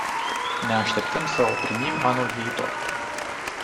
Ne așteptăm să o primim anul viitor.